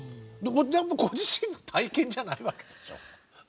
全部ご自身の体験じゃないわけでしょ？